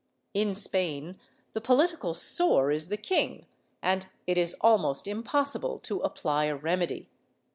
In Spain, the political sore is the king and it is almost impossible to apply a remedy.